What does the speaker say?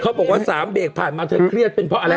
บอกว่า๓เบรกผ่านมาเธอเครียดเป็นเพราะอะไร